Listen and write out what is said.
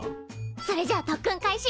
それじゃあ特訓開始！